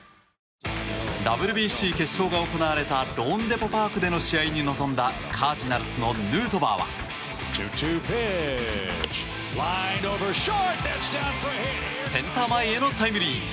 ＷＢＣ決勝が行われたローンデポ・パークでの試合に臨んだカージナルスのヌートバーはセンター前へのタイムリー。